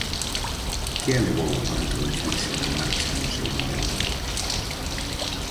Que a levou a introducirse na marcha no seu momento?